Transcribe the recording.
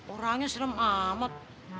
orangnya serem amat